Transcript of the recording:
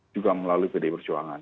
juga melalui bdi perjuangan